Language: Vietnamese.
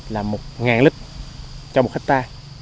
là một lít cho một hecta